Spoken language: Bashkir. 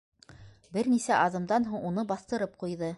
Бер нисә аҙымдан һуң уны баҫтырып ҡуйҙы.